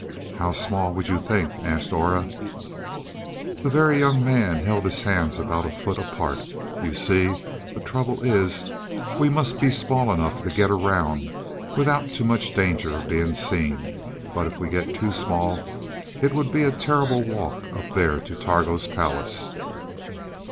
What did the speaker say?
"How small would you think?" asked Aura. The Very Young Man held his hands about a foot apart. "You see, the trouble is, we must be small enough to get around without too much danger of being seen; but if we get too small it would be a terrible walk up there to Targo's palace."